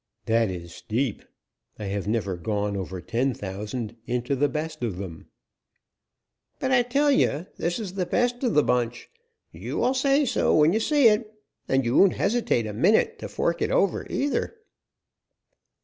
"That is steep. I have never gone over ten thousand into the best of them." "But I tell ye this is the best of the bunch. You will say so when ye see it, and you won't hesitate a minnit to fork et over, either."